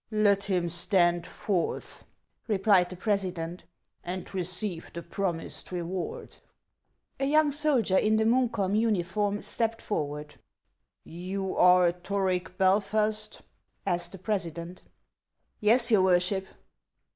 " Let him stand forth," replied the president, " and receive the promised reward." A young soldier in the Munkholm uniform stepped forward. " You are Toric Belfast ?" asked the president. " Yes, your worship."